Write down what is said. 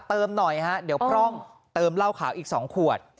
หน่อยฮะเดี๋ยวพร่องเติมเหล้าขาวอีก๒ขวด